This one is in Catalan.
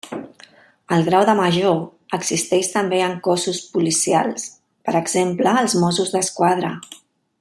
El grau de major existeix també en cossos policials; per exemple, als Mossos d'Esquadra.